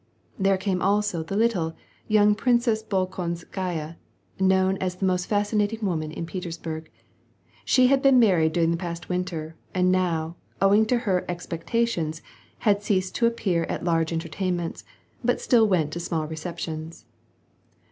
There ca also the little, young Princess Bolkonskaya known as thi most fascinating woman in Petersburg. She had been m ried during the past winter, and now, owing to her expec tions, had ceased to appear at large entertainments, but stil went to small receptions.